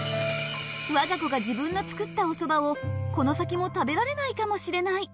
我が子が自分の作ったお蕎麦をこの先も食べられないかもしれない。